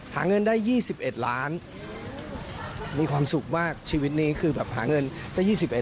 หาเงินได้๒๑ล้านมีความสุขมากชีวิตนี้คือแบบหาเงินได้๒๑